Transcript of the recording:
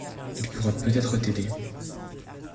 Il pourra peut-être t’aider.